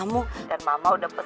mas mau lagi